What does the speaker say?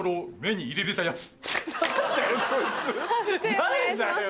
誰だよ